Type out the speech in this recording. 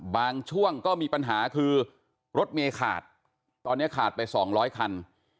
ช่วงก็มีปัญหาคือรถเมย์ขาดตอนนี้ขาดไป๒๐๐คัน